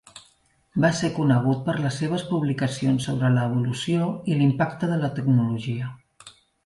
Va ser conegut per les seves publicacions sobre l'evolució i l'impacte de la tecnologia.